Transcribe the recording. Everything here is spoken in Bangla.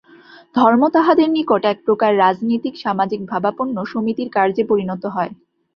ধর্ম তাহাদের নিকট একপ্রকার রাজনীতিক-সামাজিক-ভাবাপন্ন সমিতির কার্যে পরিণত হয়।